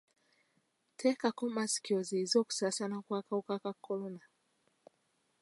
Teekako masiki oziiyize okusaasaana kw'akawuka ka kolona.